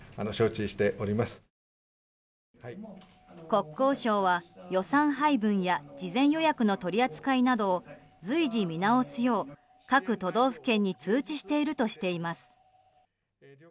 国交省は、予算配分や事前予約の取り扱いなどを随時、見直すよう各都道府県に通知しているとしています。